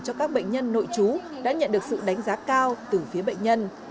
cho các bệnh nhân nội chú đã nhận được sự đánh giá cao từ phía bệnh nhân